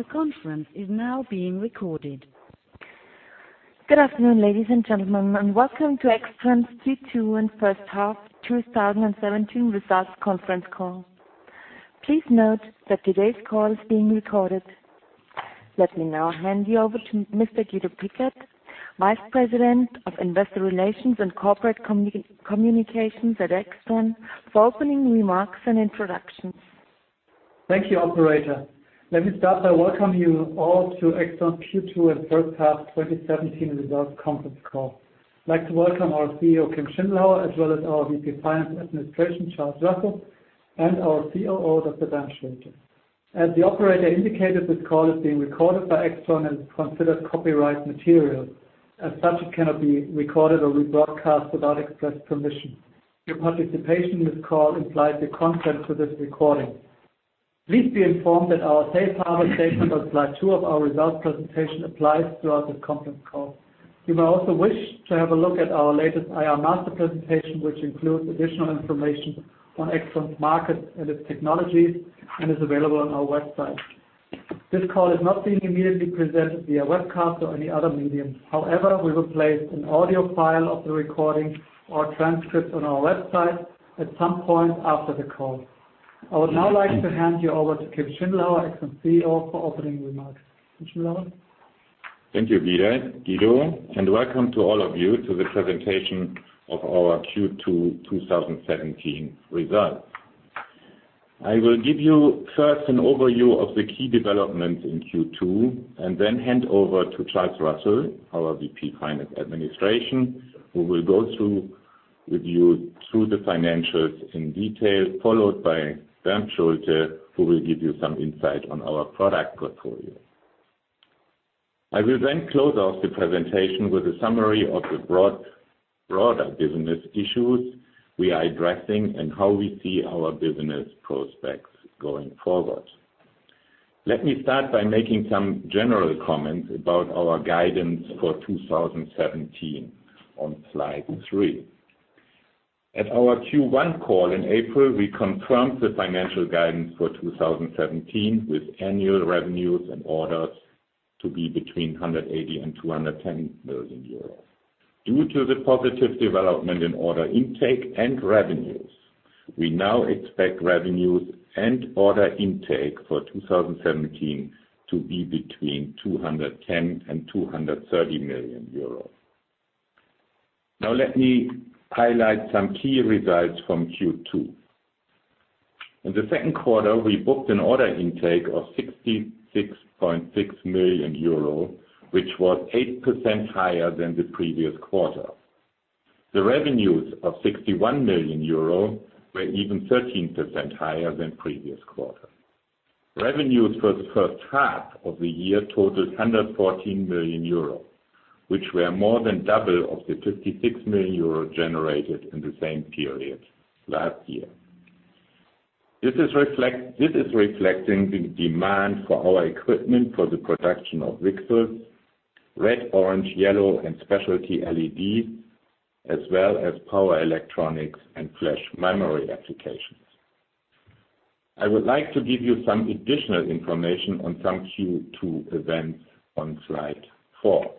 The conference is now being recorded. Good afternoon, ladies and gentlemen, and welcome to AIXTRON's Q2 and first half 2017 results conference call. Please note that today's call is being recorded. Let me now hand you over to Mr. Guido Pickert, Vice President of Investor Relations and Corporate Communications at AIXTRON for opening remarks and introductions. Thank you, operator. Let me start by welcoming you all to AIXTRON's Q2 and first half 2017 results conference call. I'd like to welcome our CEO, Kim Schindelhauer, as well as our VP Finance Administration, Charles Russell, and our COO, Dr. Bernd Schulte. As the operator indicated, this call is being recorded by AIXTRON and is considered copyright material. As such, it cannot be recorded or rebroadcast without express permission. Your participation in this call implies your consent to this recording. Please be informed that our safe harbor statement on slide two of our results presentation applies throughout this conference call. You may also wish to have a look at our latest IR master presentation, which includes additional information on AIXTRON's market and its technologies, and is available on our website. This call is not being immediately presented via webcast or any other medium. However, we will place an audio file of the recording or transcript on our website at some point after the call. I would now like to hand you over to Kim Schindelhauer, AIXTRON CEO, for opening remarks. Kim Schindelhauer? Thank you, Guido, and welcome to all of you to the presentation of our Q2 2017 results. I will give you first an overview of the key developments in Q2, and then hand over to Charles Russell, our VP Finance Administration, who will go through with you through the financials in detail, followed by Bernd Schulte, who will give you some insight on our product portfolio. I will then close off the presentation with a summary of the broader business issues we are addressing and how we see our business prospects going forward. Let me start by making some general comments about our guidance for 2017 on slide three. At our Q1 call in April, we confirmed the financial guidance for 2017 with annual revenues and orders to be between 180 million and 210 million euros. Due to the positive development in order intake and revenues, we now expect revenues and order intake for 2017 to be between 210 million and 230 million euros. Let me highlight some key results from Q2. In the second quarter, we booked an order intake of 66.6 million euro, which was 8% higher than the previous quarter. The revenues of 61 million euro were even 13% higher than previous quarter. Revenues for the first half of the year totaled 114 million euro, which were more than double of the 56 million euro generated in the same period last year. This is reflecting the demand for our equipment for the production of VCSEL, red, orange, yellow, and specialty LEDs, as well as power electronics and flash memory applications. I would like to give you some additional information on some Q2 events on slide four.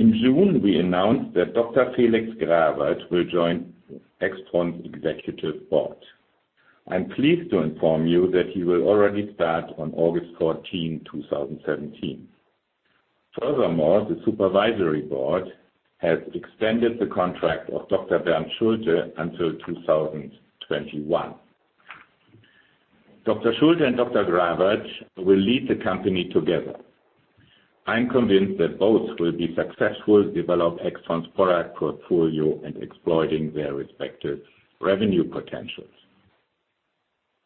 In June, we announced that Dr. Felix Grawert will join AIXTRON's Executive Board. I'm pleased to inform you that he will already start on August 14, 2017. The Supervisory Board has extended the contract of Dr. Bernd Schulte until 2021. Dr. Schulte and Dr. Grawert will lead the company together. I'm convinced that both will be successful, develop AIXTRON's product portfolio and exploiting their respective revenue potentials.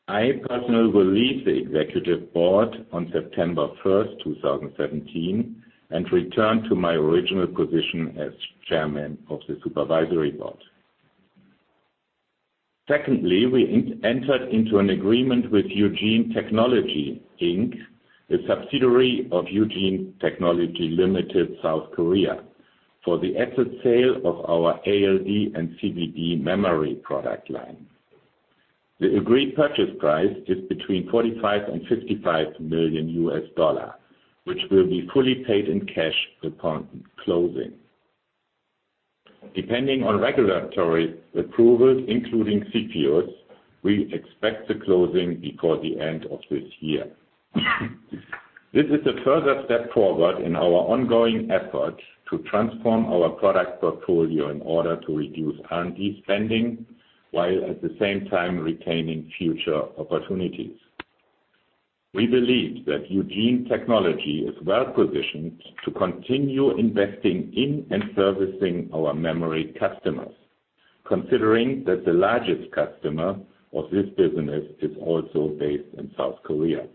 I personally will leave the Executive Board on September 1st, 2017, and return to my original position as Chairman of the Supervisory Board. We entered into an agreement with Eugene Technology Inc., a subsidiary of Eugene Technology Limited, South Korea, for the asset sale of our ALD and CVD memory product line. The agreed purchase price is between $45 million and $55 million US, which will be fully paid in cash upon closing. Depending on regulatory approvals, including CFIUS, we expect the closing before the end of this year. This is a further step forward in our ongoing effort to transform our product portfolio in order to reduce R&D spending, while at the same time retaining future opportunities. We believe that Eugene Technology is well positioned to continue investing in and servicing our memory customers, considering that the largest customer of this business is also based in South Korea.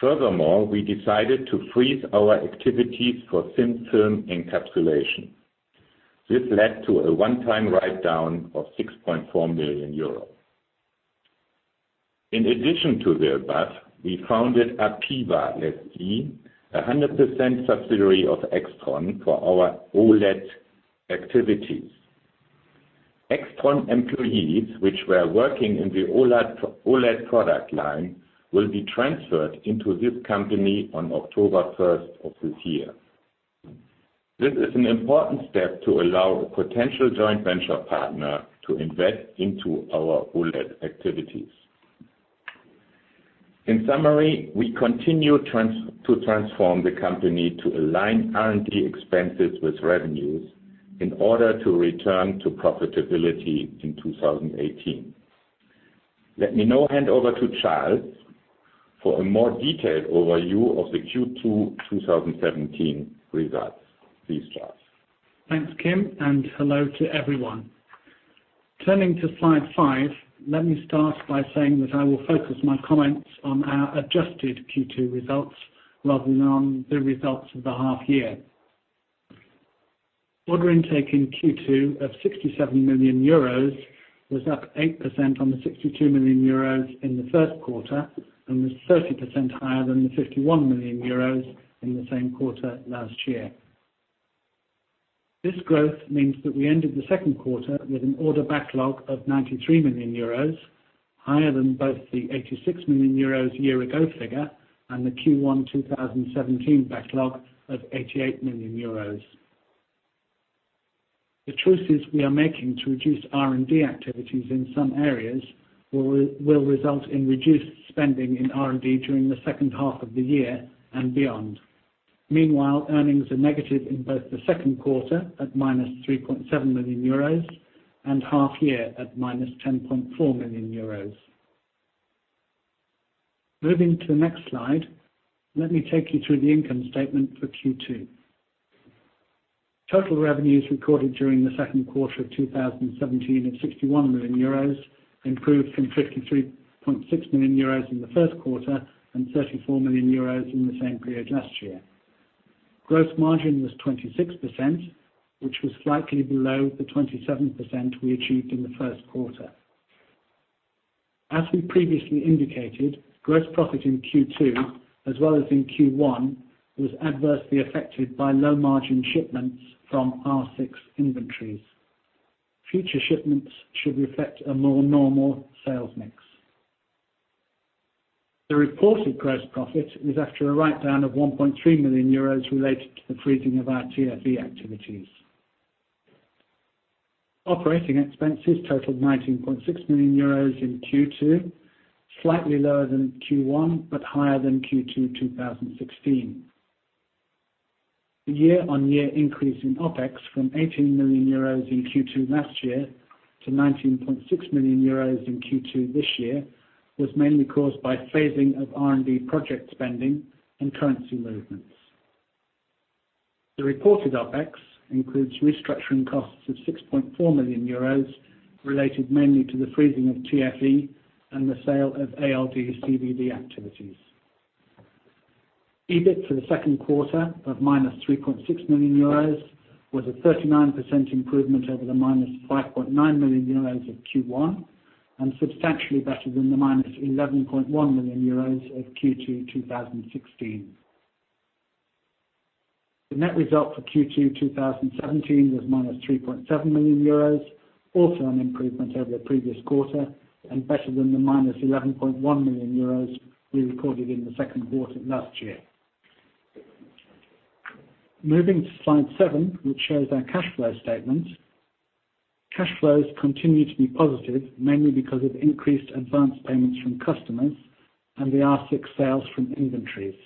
We decided to freeze our activities for Thin-Film Encapsulation. This led to a one-time write-down of 6.4 million euros. In addition to the above, we founded APEVA SE, 100% subsidiary of AIXTRON for our OLED activities. AIXTRON employees which were working in the OLED product line will be transferred into this company on October 1st of this year. This is an important step to allow a potential joint venture partner to invest into our OLED activities. We continue to transform the company to align R&D expenses with revenues in order to return to profitability in 2018. Let me now hand over to Charles for a more detailed overview of the Q2 2017 results. Please, Charles. Thanks, Kim, and hello to everyone. Turning to slide five, let me start by saying that I will focus my comments on our adjusted Q2 results rather than on the results of the half year. Order intake in Q2 of 67 million euros was up 8% on the 62 million euros in the first quarter and was 30% higher than the 51 million euros in the same quarter last year. This growth means that we ended the second quarter with an order backlog of 93 million euros, higher than both the 86 million euros year-ago figure and the Q1 2017 backlog of 88 million euros. The choices we are making to reduce R&D activities in some areas will result in reduced spending in R&D during the second half of the year and beyond. Meanwhile, earnings are negative in both the second quarter, at minus 3.7 million euros, and half year at minus 10.4 million euros. Moving to the next slide, let me take you through the income statement for Q2. Total revenues recorded during the second quarter of 2017 of 61 million euros improved from 53.6 million euros in the first quarter and 34 million euros in the same period last year. Gross margin was 26%, which was slightly below the 27% we achieved in the first quarter. As we previously indicated, gross profit in Q2, as well as in Q1, was adversely affected by low-margin shipments from AIX R6 inventories. Future shipments should reflect a more normal sales mix. The reported gross profit is after a write-down of 1.3 million euros related to the freezing of our TFE activities. Operating expenses totaled 19.6 million euros in Q2, slightly lower than Q1, but higher than Q2 2016. The year-on-year increase in OpEx from 18 million euros in Q2 last year to 19.6 million euros in Q2 this year was mainly caused by phasing of R&D project spending and currency movements. The reported OpEx includes restructuring costs of 6.4 million euros related mainly to the freezing of TFE and the sale of ALD CVD activities. EBIT for the second quarter of minus 3.6 million euros was a 39% improvement over the minus 5.9 million euros of Q1 and substantially better than the minus 11.1 million euros of Q2 2016. The net result for Q2 2017 was minus 3.7 million euros, also an improvement over the previous quarter and better than the minus 11.1 million euros we recorded in the second quarter last year. Moving to slide seven, which shows our cash flow statement. Cash flows continue to be positive, mainly because of increased advance payments from customers and the AIX R6 sales from inventories.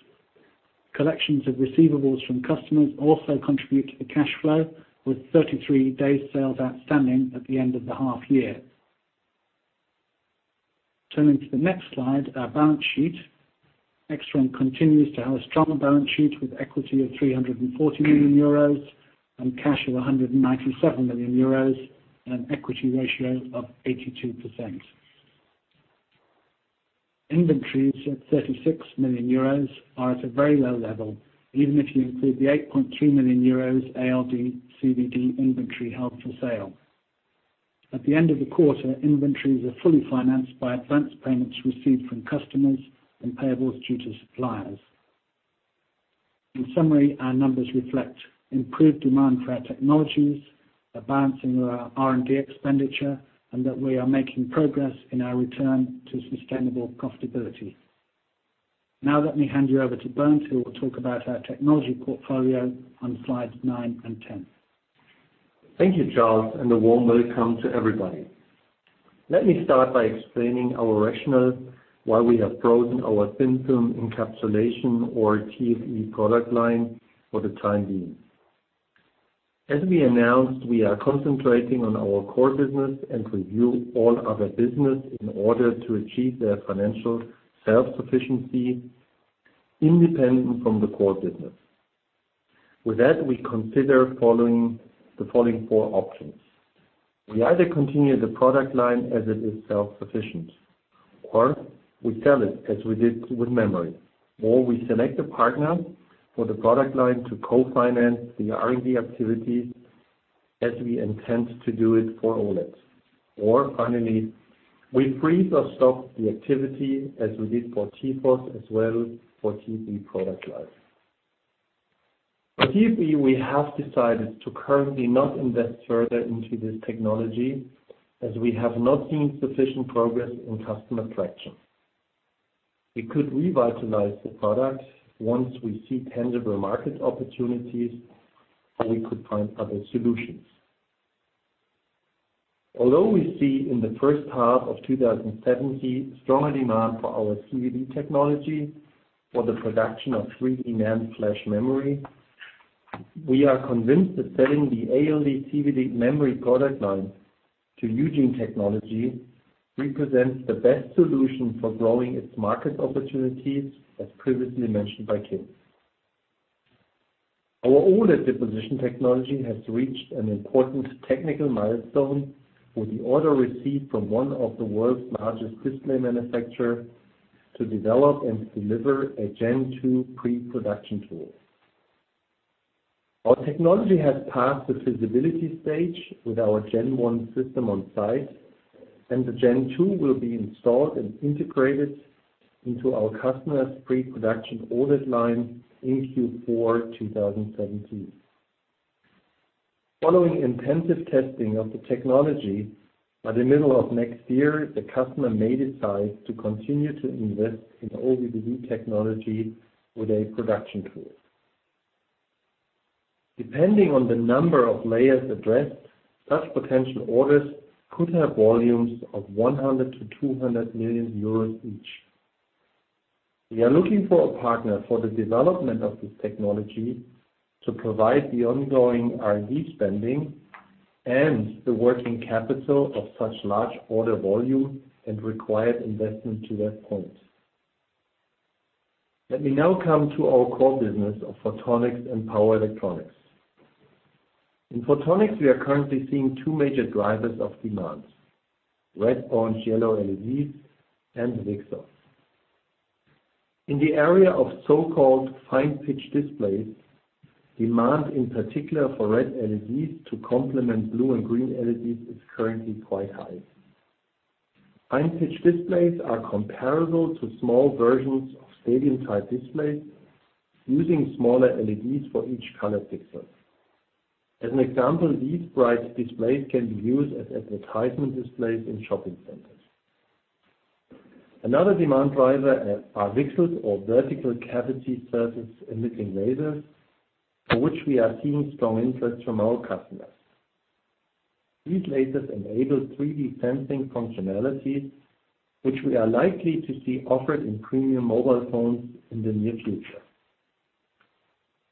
Collections of receivables from customers also contribute to the cash flow, with 33 days sales outstanding at the end of the half year. Turning to the next slide, our balance sheet. AIXTRON continues to have a strong balance sheet with equity of 340 million euros and cash of 197 million euros and an equity ratio of 82%. Inventories at 36 million euros are at a very low level, even if you include the 8.3 million euros ALD CVD inventory held for sale. At the end of the quarter, inventories are fully financed by advance payments received from customers and payables due to suppliers. In summary, our numbers reflect improved demand for our technologies, a balancing of our R&D expenditure, and that we are making progress in our return to sustainable profitability. Now let me hand you over to Bernd, who will talk about our technology portfolio on slides nine and 10. Thank you, Charles, and a warm welcome to everybody. Let me start by explaining our rationale why we have frozen our thin film encapsulation, or TFE product line, for the time being. As we announced, we are concentrating on our core business and review all other business in order to achieve their financial self-sufficiency independent from the core business. With that, we consider the following four options. We either continue the product line as it is self-sufficient, we sell it as we did with memory, or we select a partner for the product line to co-finance the R&D activities as we intend to do it for OLEDs. Finally, we freeze or stop the activity as we did for TFOS as well for TFE product line. At AIXTRON, we have decided to currently not invest further into this technology as we have not seen sufficient progress in customer traction. We could revitalize the product once we see tangible market opportunities, or we could find other solutions. Although we see in the first half of 2017 stronger demand for our CVD technology for the production of 3D NAND flash memory, we are convinced that selling the ALD CVD memory product line to Eugene Technology represents the best solution for growing its market opportunities, as previously mentioned by Kim. Our OLED deposition technology has reached an important technical milestone with the order received from one of the world's largest display manufacturers to develop and deliver a Gen 2 pre-production tool. Our technology has passed the feasibility stage with our Gen 1 system on site, and the Gen 2 will be installed and integrated into our customer's pre-production OLED line in Q4 2017. Following intensive testing of the technology, by the middle of next year, the customer may decide to continue to invest in OVPD technology with a production tool. Depending on the number of layers addressed, such potential orders could have volumes of 100 million-200 million euros each. We are looking for a partner for the development of this technology to provide the ongoing R&D spending and the working capital of such large order volume and required investment to that point. Let me now come to our core business of photonics and power electronics. In photonics, we are currently seeing two major drivers of demand, red, orange, yellow LEDs, and VCSELs. In the area of so-called fine-pitch displays, demand, in particular for red LEDs to complement blue and green LEDs, is currently quite high. Fine-pitch displays are comparable to small versions of stadium-type displays using smaller LEDs for each color pixel. As an example, these bright displays can be used as advertisement displays in shopping centers. Another demand driver are VCSELs or vertical cavity surface-emitting lasers, for which we are seeing strong interest from our customers. These lasers enable 3D sensing functionalities, which we are likely to see offered in premium mobile phones in the near future.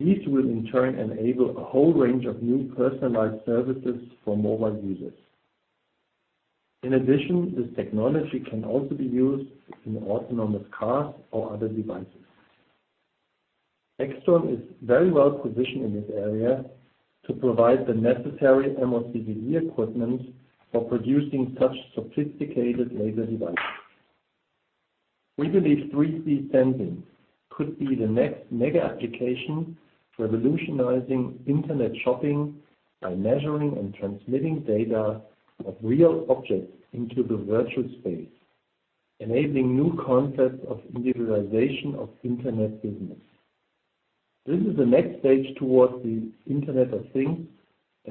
These will in turn enable a whole range of new personalized services for mobile users. This technology can also be used in autonomous cars or other devices. AIXTRON is very well positioned in this area to provide the necessary MOCVD equipment for producing such sophisticated laser devices. We believe 3D sensing could be the next mega application, revolutionizing internet shopping by measuring and transmitting data of real objects into the virtual space, enabling new concepts of individualization of internet business. This is the next stage towards the Internet of Things,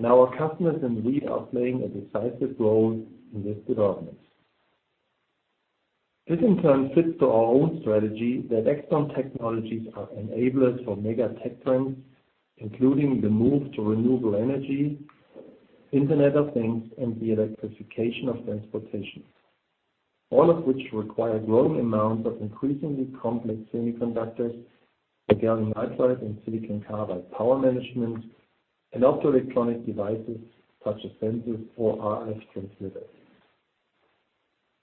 our customers and we are playing a decisive role in this development. This in turn fits to our own strategy that AIXTRON technologies are enablers for mega tech trends, including the move to renewable energy, Internet of Things, and the electrification of transportation, all of which require growing amounts of increasingly complex semiconductors for gallium nitride and silicon carbide power management and optoelectronic devices such as sensors or RF transmitters.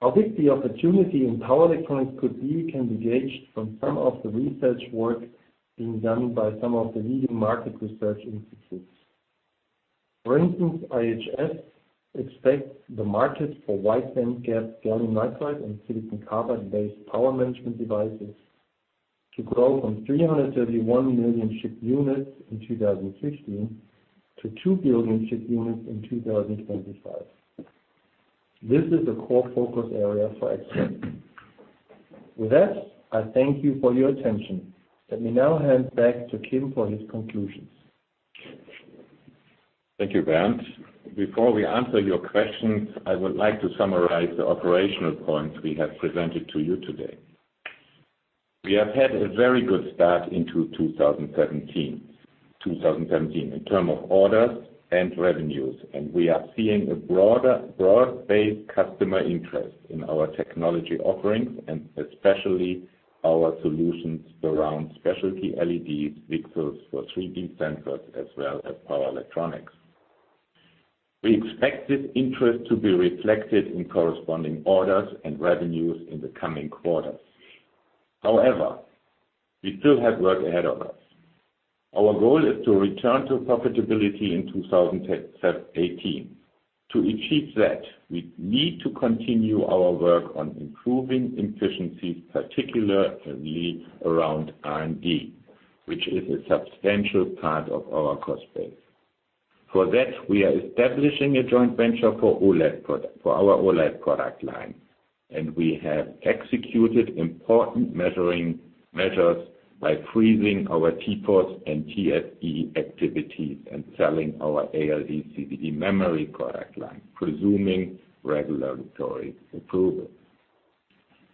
How big the opportunity in power electronics could be can be gauged from some of the research work being done by some of the leading market research institutes. For instance, IHS expects the market for wide bandgap gallium nitride and silicon carbide-based power management devices to grow from 331 million shipped units in 2016 to 2 billion shipped units in 2025. This is a core focus area for AIXTRON. With that, I thank you for your attention. Let me now hand back to Kim for his conclusions. Thank you, Bernd. Before we answer your questions, I would like to summarize the operational points we have presented to you today. We have had a very good start into 2017 in terms of orders and revenues, and we are seeing a broad-based customer interest in our technology offerings and especially our solutions around specialty LEDs, VCSELs for 3D sensors, as well as power electronics. We expect this interest to be reflected in corresponding orders and revenues in the coming quarters. However, we still have work ahead of us. Our goal is to return to profitability in 2018. To achieve that, we need to continue our work on improving efficiencies, particularly around R&D, which is a substantial part of our cost base. For that, we are establishing a joint venture for our OLED product line, and we have executed important measures by freezing our TFOS and TFE activities and selling our ALD CVD memory product line, presuming regulatory approval.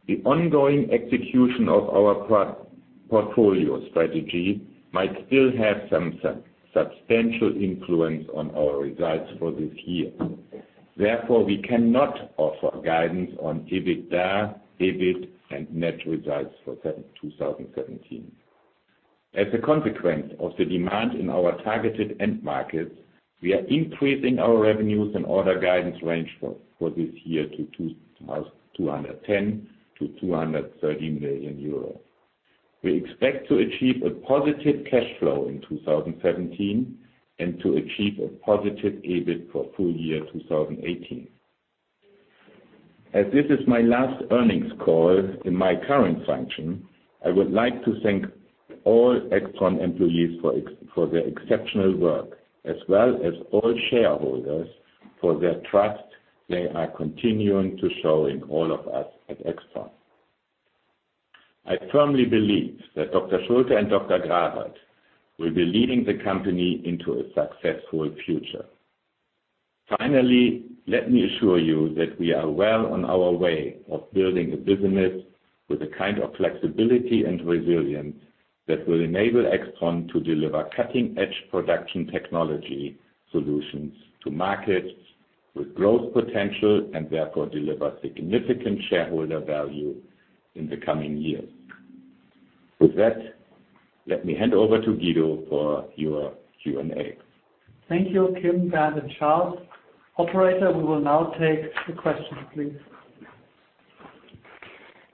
The ongoing execution of our portfolio strategy might still have some substantial influence on our results for this year. Therefore, we cannot offer guidance on EBITDA, EBIT, and net results for 2017. As a consequence of the demand in our targeted end markets, we are increasing our revenues and order guidance range for this year to 210 million-230 million euros. We expect to achieve a positive cash flow in 2017 and to achieve a positive EBIT for full year 2018. As this is my last earnings call in my current function, I would like to thank all AIXTRON employees for their exceptional work, as well as all shareholders for their trust they are continuing to show in all of us at AIXTRON. I firmly believe that Dr. Schulte and Dr. Grawert will be leading the company into a successful future. Finally, let me assure you that we are well on our way of building a business with the kind of flexibility and resilience that will enable AIXTRON to deliver cutting-edge production technology solutions to markets with growth potential, and therefore deliver significant shareholder value in the coming years. With that, let me hand over to Guido for your Q&A. Thank you, Kim, Bernd, and Charles. Operator, we will now take the questions, please.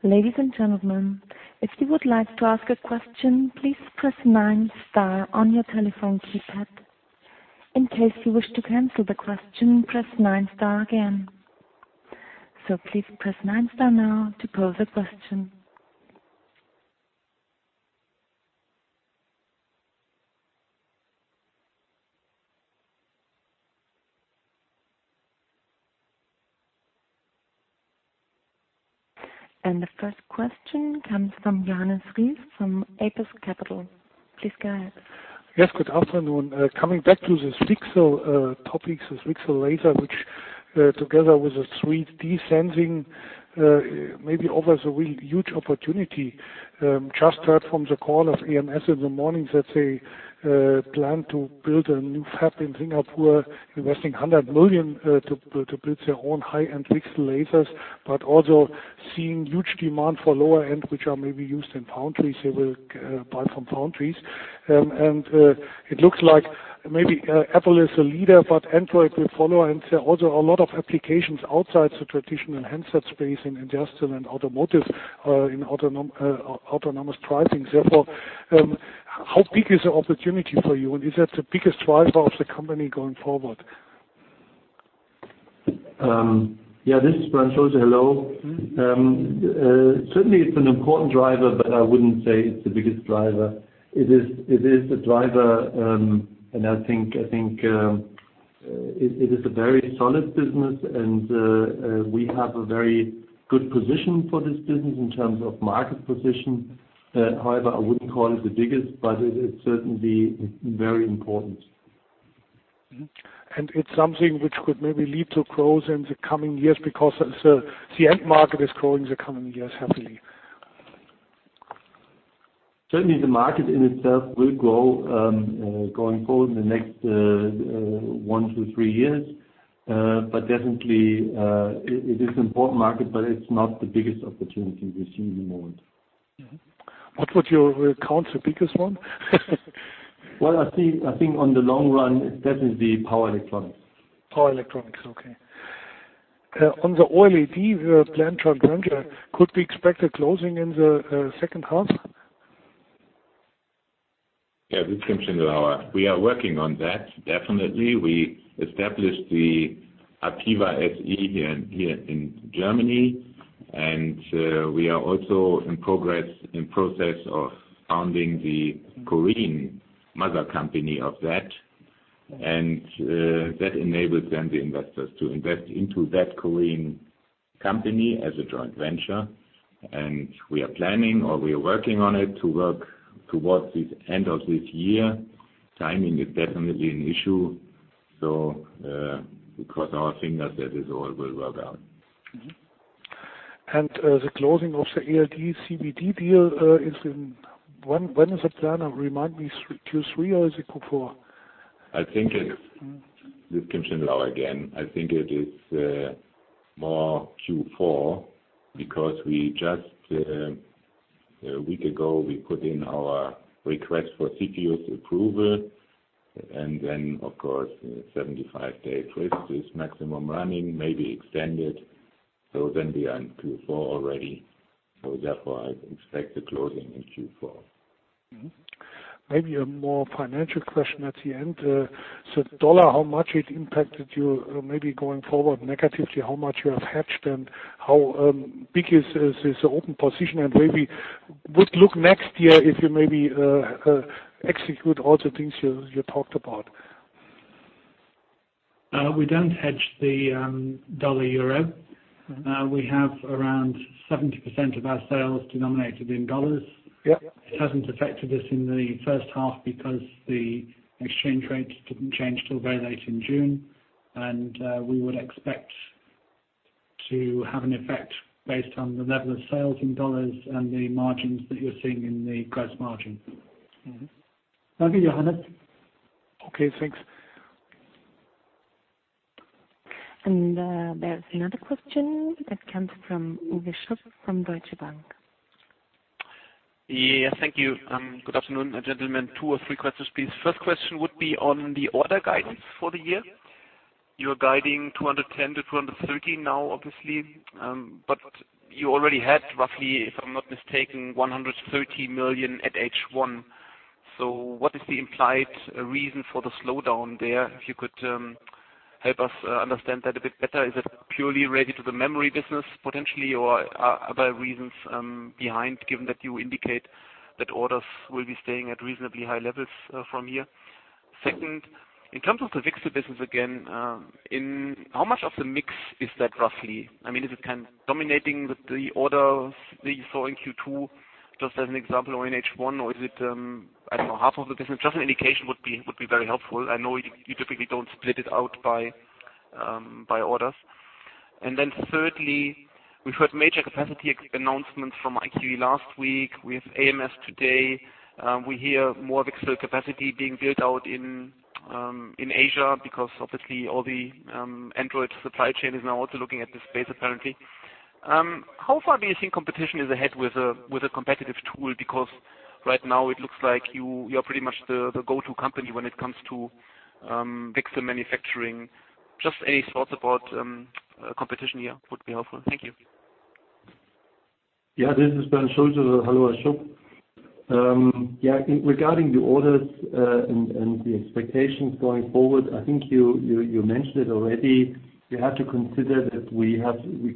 Ladies and gentlemen, if you would like to ask a question, please press nine star on your telephone keypad. In case you wish to cancel the question, press nine star again. Please press nine star now to pose a question. The first question comes from Johannes Ries from Apus Capital. Please go ahead. Yes, good afternoon. Coming back to this VCSEL topics, this VCSEL laser, which together with the 3D sensing, maybe offers a really huge opportunity. Just heard from the call of ams in the morning that they plan to build a new fab in Singapore, investing 100 million to build their own high-end VCSEL lasers, but also seeing huge demand for lower end, which are maybe used in foundries. They will buy from foundries. It looks like maybe Apple is a leader, but Android will follow. There are also a lot of applications outside the traditional handset space in industrial and automotive in autonomous driving. Therefore, how big is the opportunity for you, and is that the biggest driver of the company going forward? This is Bernd Schulte. Hello. Certainly, it's an important driver, but I wouldn't say it's the biggest driver. It is a driver, and I think it is a very solid business, and we have a very good position for this business in terms of market position. However, I wouldn't call it the biggest, but it is certainly very important. It's something which could maybe lead to growth in the coming years because the end market is growing in the coming years heavily. Certainly, the market in itself will grow going forward in the next one to three years. Definitely, it is an important market, but it's not the biggest opportunity we see at the moment. What would you count the biggest one? Well, I think on the long run, it's definitely power electronics. Power electronics. On the OLED planned joint venture, could we expect a closing in the second half? This is Kim Schindelhauer. We are working on that. Definitely. We established the APEVA SE here in Germany, we are also in process of founding the Korean mother company of that. That enables the investors to invest into that Korean company as a joint venture. We are planning or we are working on it to work towards the end of this year. Timing is definitely an issue. Cross our fingers that this all will work out. The closing of the ALD CVD deal, when is it planned? Remind me, Q3 or is it Q4? This is Kim Schindelhauer again. I think it is more Q4 because just a week ago, we put in our request for CFIUS approval. Of course, 75-day [T-plus] is maximum running, maybe extended. We are in Q4 already. Therefore I expect the closing in Q4. Maybe a more financial question at the end. The dollar, how much it impacted you maybe going forward negatively? How much you have hedged, and how big is this open position? Would look next year if you maybe execute all the things you talked about? We don't hedge the dollar/euro. We have around 70% of our sales denominated in EUR. Yep. It hasn't affected us in the first half because the exchange rates didn't change till very late in June. We would expect to have an effect based on the level of sales in EUR and the margins that you're seeing in the gross margin. Okay, thanks. There's another question that comes from Uwe Schupp from Deutsche Bank. Yeah, thank you. Good afternoon, gentlemen. Two or three questions, please. First question would be on the order guidance for the year. You're guiding 210 million to 230 million now, obviously, but you already had roughly, if I'm not mistaken, 130 million at H1. What is the implied reason for the slowdown there? If you could help us understand that a bit better. Is it purely related to the memory business potentially? Are there reasons behind, given that you indicate that orders will be staying at reasonably high levels from here? Second, in terms of the VCSEL business again, how much of the mix is that roughly? Is it dominating the orders that you saw in Q2, just as an example, or in H1? Or is it, I don't know, half of the business? Just an indication would be very helpful. I know you typically don't split it out by orders. Thirdly, we've heard major capacity announcements from IQE last week, with ams today. We hear more VCSEL capacity being built out in Asia because obviously all the Android supply chain is now also looking at this space, apparently. How far do you think competition is ahead with a competitive tool? Right now it looks like you're pretty much the go-to company when it comes to VCSEL manufacturing. Just any thoughts about competition here would be helpful. Thank you. Yeah, this is Bernd Schulte. Hello, Schupp. Regarding the orders and the expectations going forward, I think you mentioned it already. You have to consider that we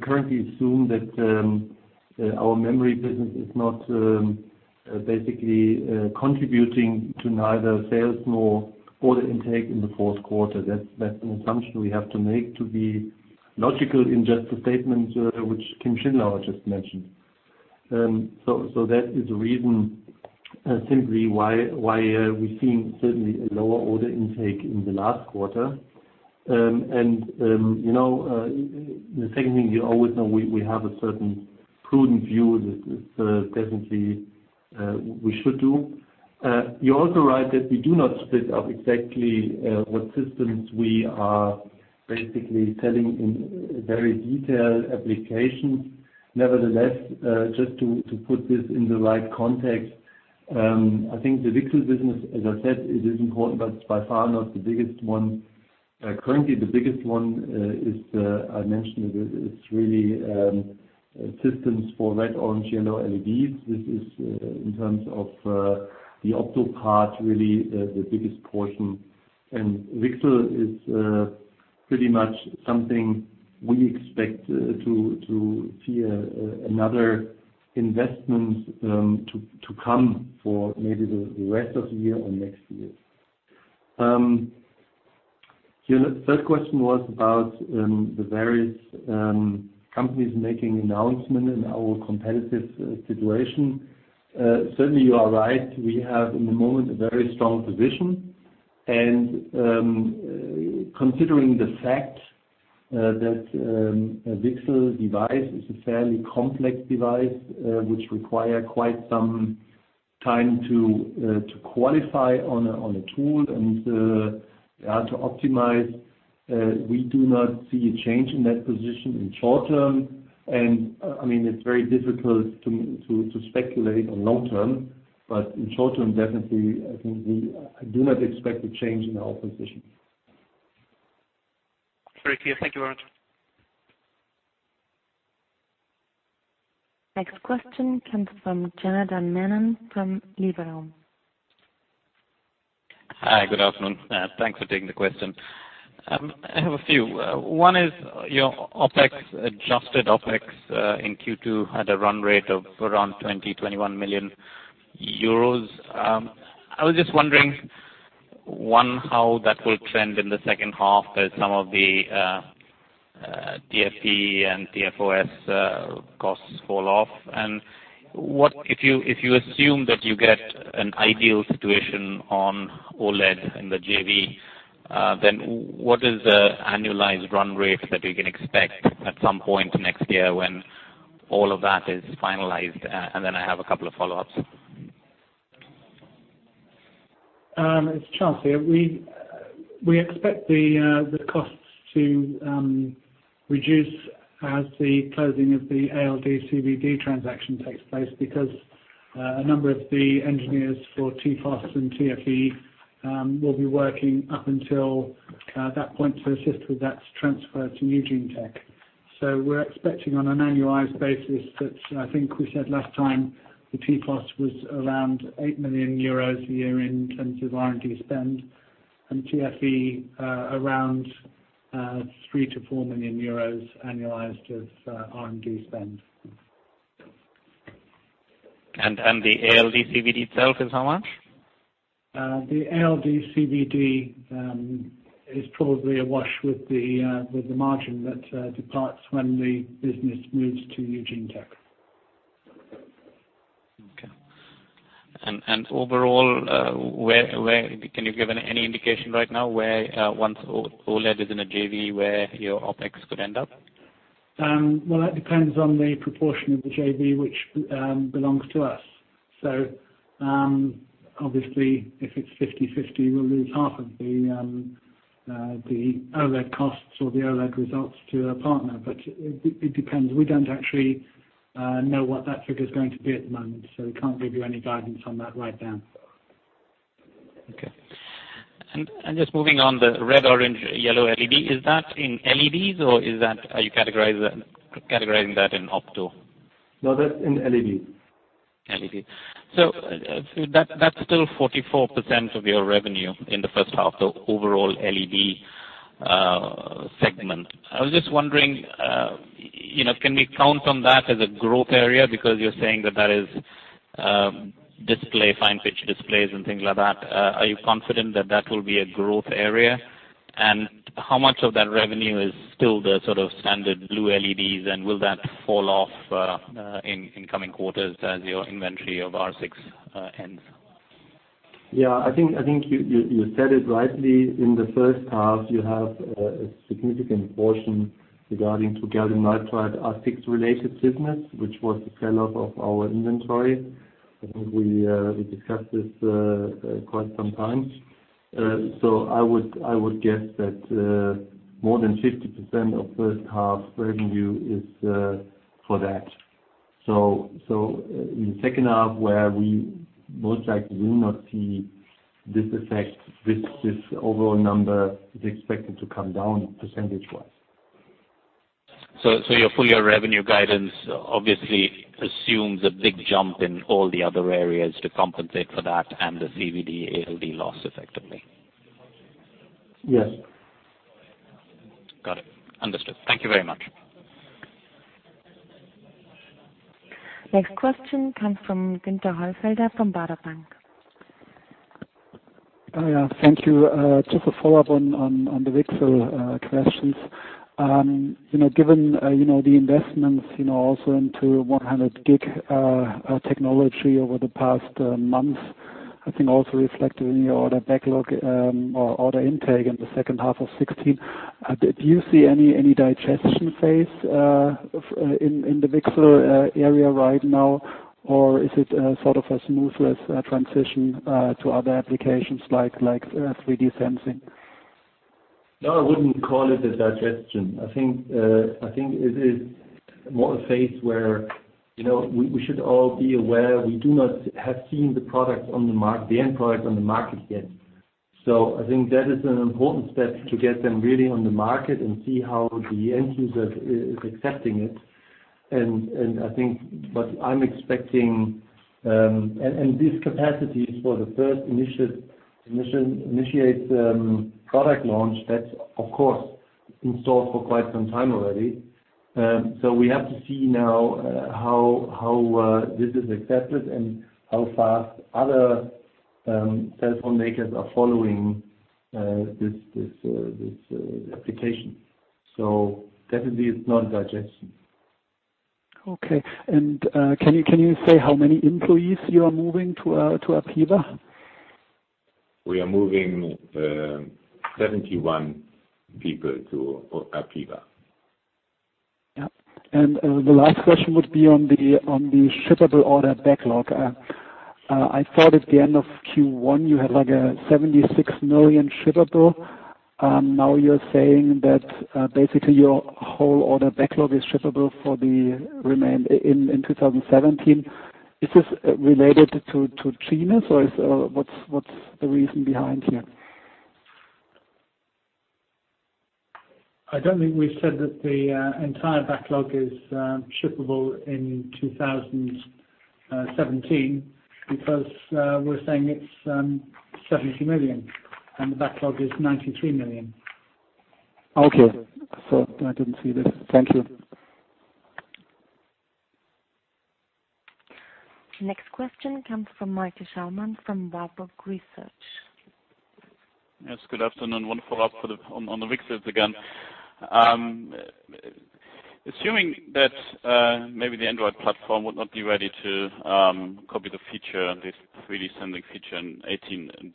currently assume that our memory business is not basically contributing to neither sales nor order intake in the fourth quarter. That's an assumption we have to make to be logical in just the statement, which Kim Schindelhauer just mentioned. That is the reason simply why we're seeing certainly a lower order intake in the last quarter. The second thing, you always know we have a certain prudent view that definitely we should do. You're also right that we do not split up exactly what systems we are basically selling in very detailed applications. Nevertheless, just to put this in the right context, I think the VCSEL business, as I said, it is important, but it's by far not the biggest one. Currently, the biggest one is, I mentioned, it's really systems for red, orange, yellow LEDs. This is in terms of the opto part, really the biggest portion. VCSEL is pretty much something we expect to see another investment to come for maybe the rest of the year or next year. Your third question was about the various companies making announcements and our competitive situation. Certainly, you are right. We have, in the moment, a very strong position, and considering the fact that a VCSEL device is a fairly complex device which require quite some time to qualify on a tool and to optimize, we do not see a change in that position in short term. It's very difficult to speculate on long term, but in short term, definitely, I think we do not expect a change in our position. Very clear. Thank you very much. Next question comes from Janardan Menon from Liberum. Hi, good afternoon. Thanks for taking the question. I have a few. One is your adjusted OpEx in Q2 had a run rate of around 20 million, 21 million euros. I was just wondering, one, how that will trend in the second half as some of the TFE and TFOS costs fall off. If you assume that you get an ideal situation on OLED in the JV, then what is the annualized run rate that we can expect at some point next year when all of that is finalized? I have a couple of follow-ups. It's Charles here. We expect the costs to reduce as the closing of the ALD CVD transaction takes place because a number of the engineers for TFOS and TFE will be working up until that point to assist with that transfer to Eugene Technology. We're expecting on an annualized basis that, I think we said last time, the TFOS was around 8 million euros a year in terms of R&D spend, and TFE around 3 million-4 million euros annualized of R&D spend. The ALD CVD itself is how much? The ALD CVD is probably a wash with the margin that departs when the business moves to Eugene Tech. Okay. Overall, can you give any indication right now where, once OLED is in a JV, where your OpEx could end up? That depends on the proportion of the JV which belongs to us. Obviously, if it's 50-50, we'll lose half of the OLED costs or the OLED results to a partner. It depends. We don't actually know what that figure's going to be at the moment, so we can't give you any guidance on that right now. Okay. Just moving on the red, orange, yellow LED. Is that in LEDs or are you categorizing that in OPTO? No, that's in LED. LED. That's still 44% of your revenue in the first half, the overall LED segment. I was just wondering, can we count on that as a growth area? Because you're saying that that is display, fine-pitch displays, and things like that. Are you confident that that will be a growth area? And how much of that revenue is still the sort of standard blue LEDs, and will that fall off in coming quarters as your inventory of R6 ends? Yeah, I think you said it rightly. In the first half, you have a significant portion regarding to gallium nitride R6 related business, which was the sell-off of our inventory. I think we discussed this quite some time. I would guess that more than 50% of first half revenue is for that. In the second half where we most likely will not see this effect, this overall number is expected to come down percentage-wise. Your full year revenue guidance obviously assumes a big jump in all the other areas to compensate for that and the CVD, ALD loss effectively. Yes. Got it. Understood. Thank you very much. Next question comes from Günter Heufelder, from Baader Bank. Yeah, thank you. Just a follow-up on the VCSEL questions. Given the investments also into 100 gig technology over the past months, I think also reflected in your order backlog or order intake in the second half of 2016. Do you see any digestion phase in the VCSEL area right now, or is it sort of a smooth transition to other applications like 3D sensing? No, I wouldn't call it a digestion. I think it is more a phase where we should all be aware we do not have seen the end product on the market yet. I think that is an important step to get them really on the market and see how the end user is accepting it. These capacities for the first initiate product launch, that's of course installed for quite some time already. We have to see now how this is accepted and how fast other telephone makers are following this application. Definitely it's not a digestion. Okay. Can you say how many employees you are moving to Apeva? We are moving 71 people to Apeva. Yep. The last question would be on the shippable order backlog. I thought at the end of Q1, you had like a 76 million shippable. Now you're saying that basically your whole order backlog is shippable in 2017. Is this related to Trinas, or what's the reason behind here? I don't think we've said that the entire backlog is shippable in 2017 because we're saying it's 70 million, and the backlog is 93 million. Okay. Sorry, I didn't see this. Thank you. Next question comes from Michael Schlemmer from Warburg Research. Yes, good afternoon. One follow-up on the VCSELs again. Assuming that maybe the Android platform would not be ready to copy the feature, this 3D sensing feature in 2018,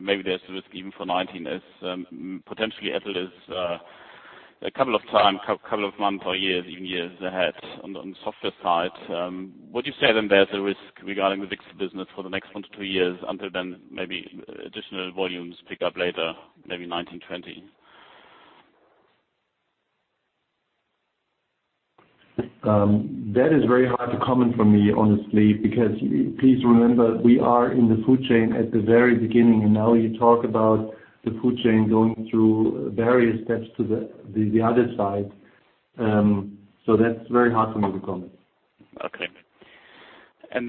maybe there's a risk even for 2019 as potentially Apple is a couple of months or years, even years ahead on the software side. Would you say then there's a risk regarding the VCSEL business for the next one to two years until then maybe additional volumes pick up later, maybe 2019, 2020? That is very hard to comment from me honestly. Please remember, we are in the food chain at the very beginning, now you talk about the food chain going through various steps to the other side. That's very hard for me to comment. Okay.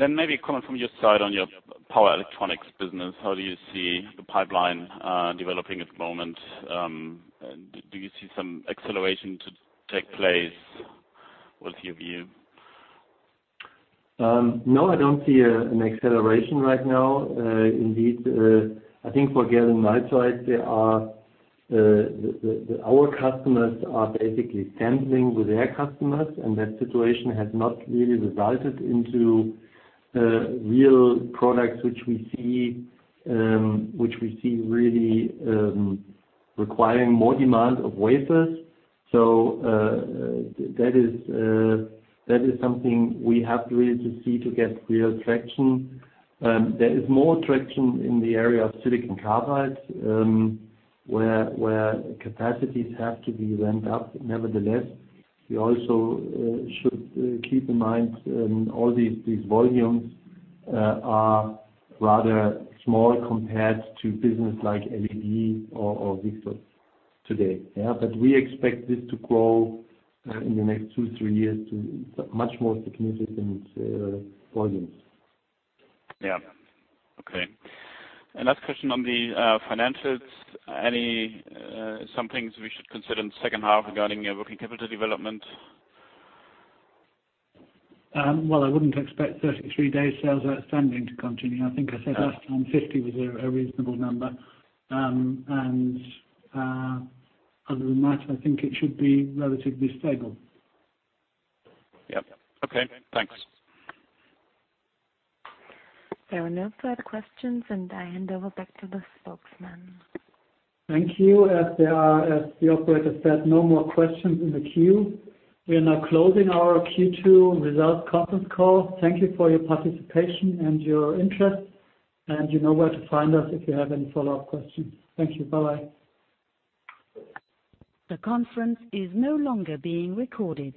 Maybe coming from your side on your power electronics business, how do you see the pipeline developing at the moment? Do you see some acceleration to take place? What's your view? No, I don't see an acceleration right now. Indeed, I think for gallium nitride, our customers are basically sampling with their customers, and that situation has not really resulted into real products, which we see really requiring more demand of wafers. That is something we have really to see to get real traction. There is more traction in the area of silicon carbide, where capacities have to be ramped up. Nevertheless, we also should keep in mind all these volumes are rather small compared to business like LED or VCSEL today. We expect this to grow in the next two, three years to much more significant volumes. Yeah. Okay. Last question on the financials. Some things we should consider in the second half regarding working capital development? Well, I wouldn't expect 33-day sales outstanding to continue. I think I said last time 50 was a reasonable number. Other than that, I think it should be relatively stable. Yep. Okay, thanks. There are no further questions, I hand over back to the spokesman. Thank you. As the operator said, no more questions in the queue. We are now closing our Q2 results conference call. Thank you for your participation and your interest. You know where to find us if you have any follow-up questions. Thank you. Bye-bye. The conference is no longer being recorded.